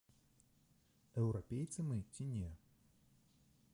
Еўрапейцы мы ці не?